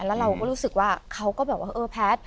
แล้วเรารู้สึกว่าเขาก็แบบว่า